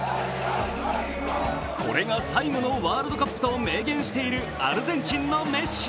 これが最後のワールドカップと明言しているアルゼンチンのメッシ。